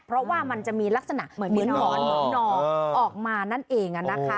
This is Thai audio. เพราะว่ามันจะมีลักษณะเหมือนหอนเหมือนหน่อออกมานั่นเอง